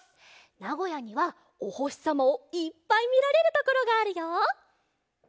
なごやにはおほしさまをいっぱいみられるところがあるよ！